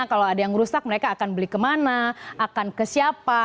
kalau ada yang rusak mereka akan beli kemana akan ke siapa